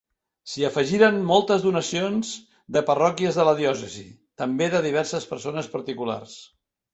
S'hi afegiren moltes donacions de parròquies de la diòcesi, també de diverses persones particulars.